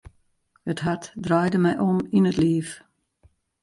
It hart draaide my om yn it liif.